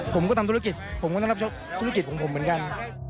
ผมก็ทำธุรกิจผมก็ต้องรับธุรกิจของผมเหมือนกัน